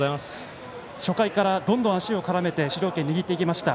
初回から、どんどん足を絡めて主導権を握っていきました